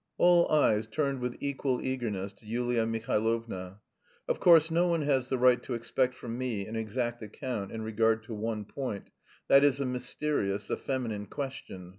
All eyes turned with equal eagerness to Yulia Mihailovna. Of course no one has the right to expect from me an exact account in regard to one point: that is a mysterious, a feminine question.